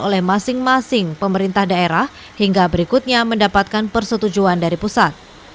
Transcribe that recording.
oleh masing masing pemerintah daerah hingga berikutnya mendapatkan persetujuan dari pusat